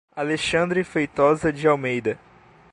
Alexandre Feitosa de Almeida